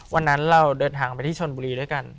วันนั้นเราเดินทางไปที่ชนบุรีด้วยกัน